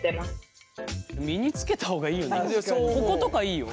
こことかいいよ。